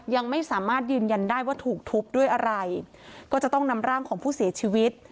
ยังไม่สามารถยืนยันได้ว่าถูกทุบด้วยอะไรก็จะต้องนำร่างของผู้เสียชีวิต